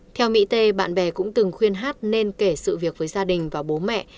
theo mỹ tê bạn bè cũng từng khuyên hát nên kể sự việc với gia đình và bố mẹ